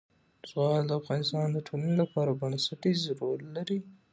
زغال د افغانستان د ټولنې لپاره بنسټيز رول لري.